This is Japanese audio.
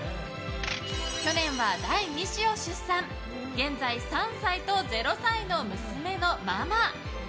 去年は第２子を出産現在、３歳と０歳の娘のママ。